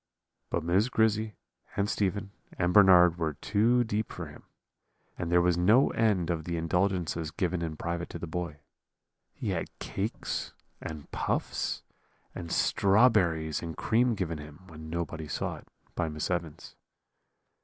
"But Miss Grizzy, and Stephen, and Bernard were too deep for him; and there was no end of the indulgences given in private to the boy. He had cakes, and puffs, and strawberries and cream given him, when nobody saw it, by Miss Evans.